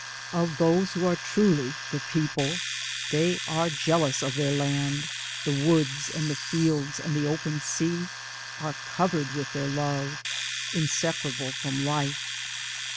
Of those who are truly the People, they are jealous of their land ; the woods and the fields and the open sea are covered with their love — inseparable from life.